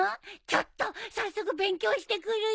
ちょっと早速勉強してくるよ。